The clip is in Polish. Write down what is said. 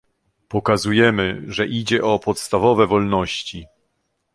Pokazujemy, że idzie o podstawowe wolności